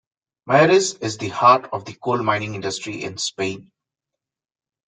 Mieres is the heart of the coal mining industry in Spain.